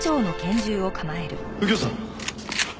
右京さん！